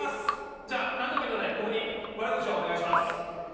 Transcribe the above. じゃあ何でもいいので僕に悪口をお願いします。